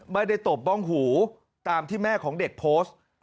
ตบบ้องหูตามที่แม่ของเด็กโพสต์